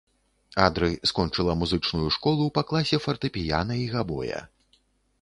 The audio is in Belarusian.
Адры скончыла музычную школу па класе фартэпіяна і габоя.